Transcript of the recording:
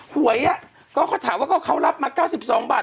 หวยก็เขาถามว่าเขารับมา๙๒บาท